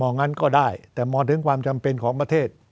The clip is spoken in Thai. งั้นก็ได้แต่มองถึงความจำเป็นของประเทศ